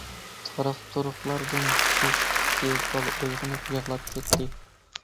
«تاراق-تۇرۇقلار» دىن بۆشۈكتىكى بالا ئويغىنىپ يىغلاپ كەتتى.